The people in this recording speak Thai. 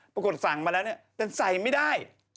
ปรากฏสั่งมาแล้วเนี่ยแต่ใส่ไม่ได้